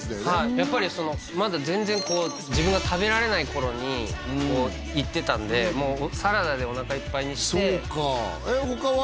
やっぱりそのまだ全然こう自分が食べられない頃に行ってたんでもうサラダでおなかいっぱいにしてそうかえっ他は？